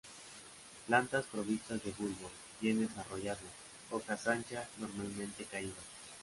Plantas provistas de bulbo bien desarrollado, hojas anchas, normalmente caídas.